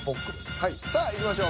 はいさあいきましょう。